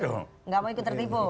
tidak mau ikut tertipu